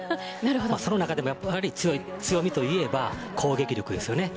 その中でも強みといえば攻撃力ですよね。